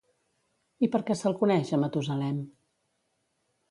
I per què se'l coneix, a Matusalem?